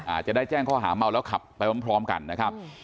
อาจจะได้แจ้งข้อหาเมาแล้วขับไปพร้อมกันนะครับ